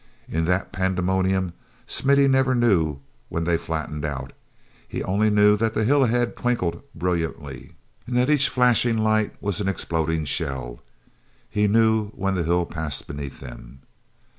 In that pandemonium Smithy never knew when they flattened out. He knew only that the hill ahead twinkled brilliantly, and that each flashing light was an exploding shell. He knew when the hill passed beneath them.